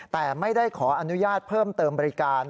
แต่ไม่ได้ขออนุญาตเพิ่มเติมบริการ